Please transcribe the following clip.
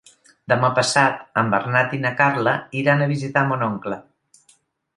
Demà passat en Bernat i na Carla iran a visitar mon oncle.